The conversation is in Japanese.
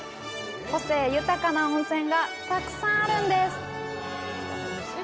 個性豊かな温泉がたくさんあるんです！